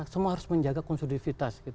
semua harus menjaga konservatifitas